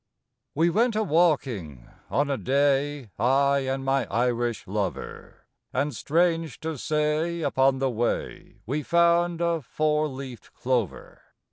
We went a walking on a day — I and my Irish lover, — And strange to say, upon the way, We found a four leaved clover.